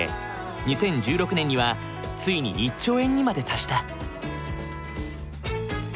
２０１６年にはついに１兆円にまで達した。